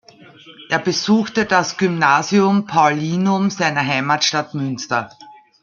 Er besuchte das Gymnasium Paulinum seiner Heimatstadt Münster.